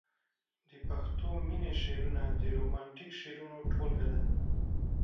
د پښتو مينې شعرونه د رومانتيک شعرونو ټولګه ده.